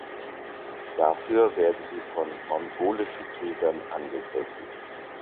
Dafür werden sie von mongolischen Kriegern angegriffen.